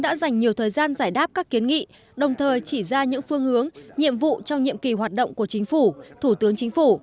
đã nhận ra những phương hướng nhiệm vụ trong nhiệm kỳ hoạt động của chính phủ thủ tướng chính phủ